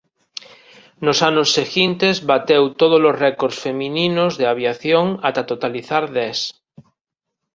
Nos anos seguintes bateu todos os récords femininos de aviación ata totalizar dez.